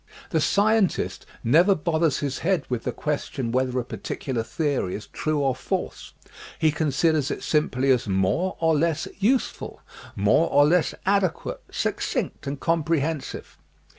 The scientist never bothers his head with the question whether a particu lar theory is true or false. He considers it simply as more or less useful, more or less adequate, succinct and comprehensive.